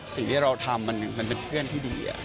สิ่งที่เราทำมันเป็นเพื่อนที่ดี